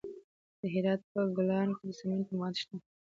د هرات په ګلران کې د سمنټو مواد شته.